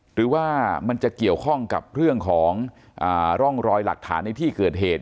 หรือว่ามันจะเกี่ยวข้องกับเรื่องของร่องรอยหลักฐานในที่เกิดเหตุ